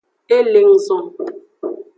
E le nguzo.